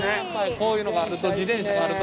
こういうのがあると自転車があるとね。